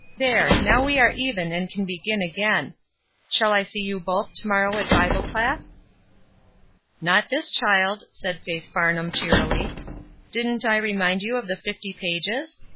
There, now we are even, and can begin again. Shall I see you both to morrow at Bible class?" "Not this child," said Faith Farnham, cheer fully, " Didn't I remind you of the fifty pages ?